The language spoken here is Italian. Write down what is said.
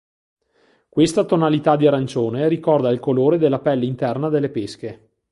Questa tonalità di arancione ricorda il colore della pelle interna delle pesche.